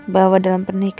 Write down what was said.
bahwa dalam pernikahan kita